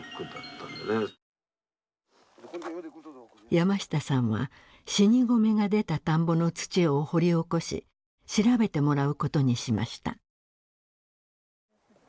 山下さんは死に米が出た田んぼの土を掘り起こし調べてもらうことにしました。